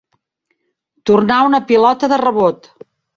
Tornar una pilota de rebot.